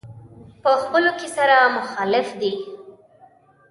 په خپلو کې سره مخالف دي.